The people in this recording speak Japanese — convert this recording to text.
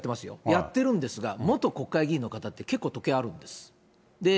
やってるんですが、元国会議員の方って、結構特権あるんです。